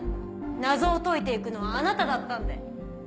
謎を解いて行くのはあなただったんで。